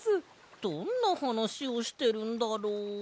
どんなはなしをしてるんだろう？